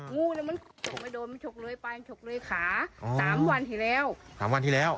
งูนี่มันโดนมันชกเลยไปมันชกเลยขาสามวันทีแล้วสามวันทีแล้ว